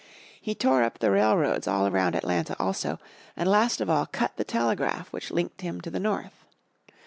He tore up the railroads all around Atlanta also, and last of all cut the telegraph which linked him to the North.